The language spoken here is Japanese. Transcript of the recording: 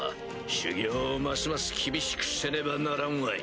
修業をますます厳しくせねばならんわい。